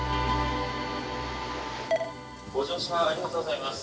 「ご乗車ありがとうございます。